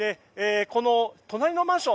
隣のマンション